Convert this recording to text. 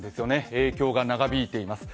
影響が長引いています。